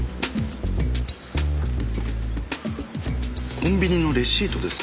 コンビニのレシートですか。